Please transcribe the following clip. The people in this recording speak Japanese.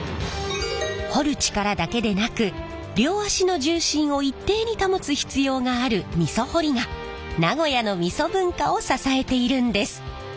掘る力だけでなく両足の重心を一定に保つ必要がある味噌掘りが名古屋の味噌文化を支えているんです。